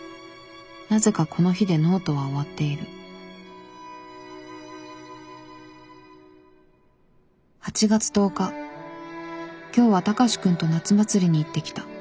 なぜかこの日でノートは終わっている「８月１０日今日は高志くんと夏祭りに行ってきた。